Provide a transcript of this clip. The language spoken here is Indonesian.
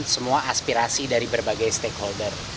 semua aspirasi dari berbagai stakeholder